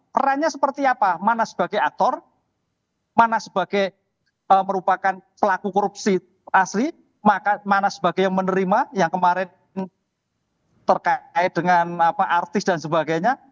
perannya seperti apa mana sebagai aktor mana sebagai merupakan pelaku korupsi asli mana sebagai yang menerima yang kemarin terkait dengan artis dan sebagainya